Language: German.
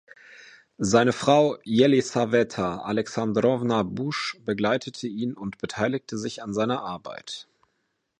Seine Frau Jelisaweta Alexandrowna Busch begleitete ihn und beteiligte sich an seiner Arbeit.